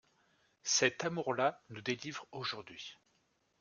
Cet amour-là nous délivre aujourd'hui.